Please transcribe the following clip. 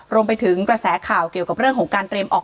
รวมไปถึงกระแสข่าวเกี่ยวกับเรื่องของการเตรียมออก